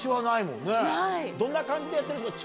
どんな感じでやってるんですか？